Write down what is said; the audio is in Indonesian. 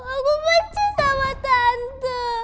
aku benci sama tante